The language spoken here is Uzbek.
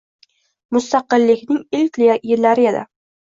Mustaqillikning ilk yillari edi.